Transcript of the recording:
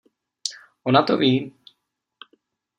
Ona to ví!